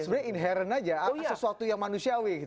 sebenarnya inherent aja sesuatu yang manusiawi gitu ya